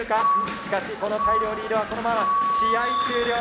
しかしこの大量リードはこのまま試合終了。